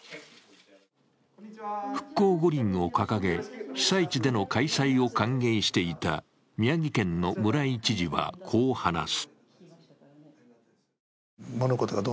復興五輪を掲げ、被災地での開催を歓迎していた宮城県の村井知事は、こう話す。